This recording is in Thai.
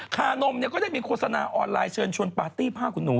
ขนมก็ได้มีโฆษณาออนไลน์เชิญชวนปาร์ตี้ผ้าคุณหนู